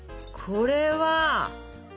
これは！